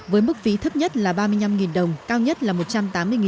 với mức phí thấp nhất là ba mươi năm đồng cao nhất là một trăm tám mươi đồng